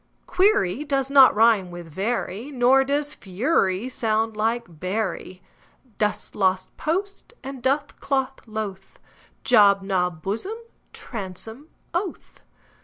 Query does not rime with very, Nor does fury sound like bury. Dost, lost, post and doth, cloth, loth; Job, Job, blossom, bosom, oath.